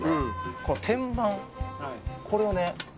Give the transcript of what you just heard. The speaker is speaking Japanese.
この天板これをね